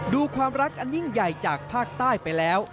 ดูความรักอันยิ่งใหญ่จากภาคใต้ไปแล้ว